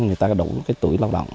người ta đủ cái tuổi lao động